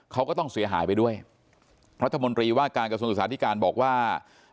เขาก็ต้องเสียหายไปด้วยรัฐมนตรีว่าการกระทรวงศึกษาธิการบอกว่า